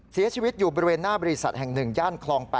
เสียชีวิตอยู่บริเวณหน้าบริษัทแห่ง๑ย่านคลอง๘